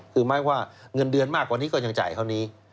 คือแม้ว่าเงินเดือนมากกว่านี้ก็ยังจ่ายเขานี้